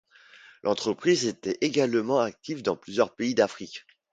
L'entreprise était également active dans plusieurs pays d'Afrique.